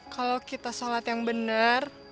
kalo kita salat yang bener